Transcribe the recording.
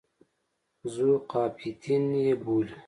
ذوقافیتین یې بولي.